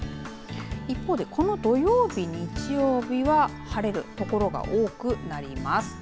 一方でこの土曜日、日曜日は晴れるところが多くなります。